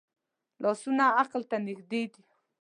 لاسونه عقل ته نږدې دي